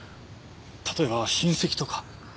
例えば親戚とか。